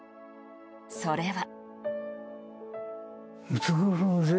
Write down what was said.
それは。